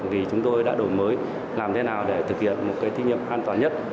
vì chúng tôi đã đổi mới làm thế nào để thực hiện một cái kinh nghiệm an toàn nhất